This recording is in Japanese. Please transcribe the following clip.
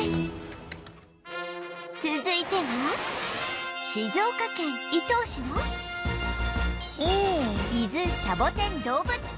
続いては静岡県伊東市の伊豆シャボテン動物公園